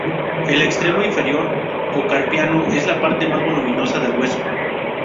El extremo inferior o carpiano es la parte más voluminosa del hueso.